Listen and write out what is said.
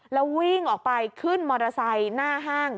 แล้ววิ่งออกไปขึ้นมอเตอร์ไซค์หน้าห้าง